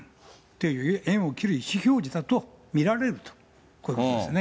縁を切る意思表示だと見られると、こういうことですね。